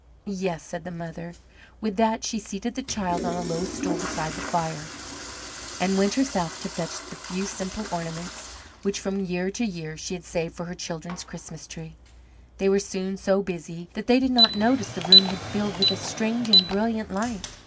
"Yes," said the mother. With that she seated the child on a low stool beside the fire, and went herself to fetch the few simple ornaments which from year to year she had saved for her children's Christmas tree. They were soon so busy that they did not notice the room had filled with a strange and brilliant light.